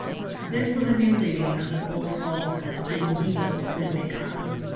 This was a new reading of the old falsehood, doing evil that good may come.